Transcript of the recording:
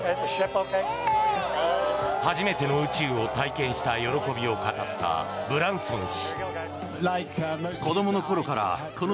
初めての宇宙を体験した喜びを語ったブランソン氏。